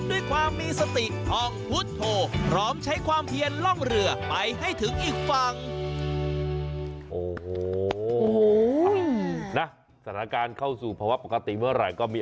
ด้วยความมีสติทองพุทธโธพร้อมใช้ความเพียรล่องเรือ